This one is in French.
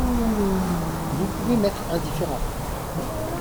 Vous pouvez m’être indifférent…